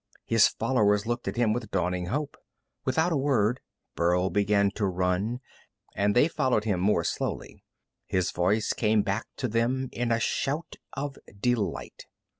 His followers looked at him with dawning hope. Without a word, Burl began to run, and they followed him more slowly. His voice came back to them in a shout of delight.